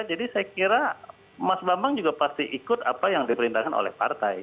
jadi saya kira mas bambang juga pasti ikut apa yang diperintahkan oleh partai